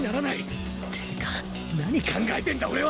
ってか何考えてんだ俺は！